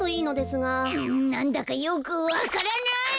なんだかよくわからない！